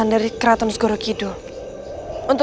masih sama seperti dahulu